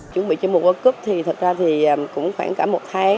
chuẩn bị chương trình world cup thì thật ra thì cũng khoảng cả một tháng